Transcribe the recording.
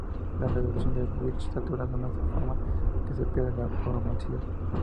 La reducción de Birch satura de una forma que se pierde la aromaticidad.